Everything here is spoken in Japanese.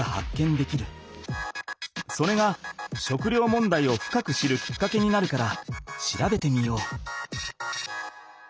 それが食料もんだいを深く知るきっかけになるから調べてみよう。